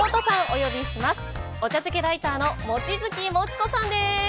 お茶漬けライターのもちづきもちこさんです。